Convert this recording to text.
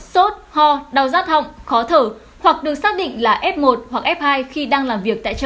sốt ho đau giác thọng khó thở hoặc được xác định là f một hoặc f hai khi đang làm việc tại chợ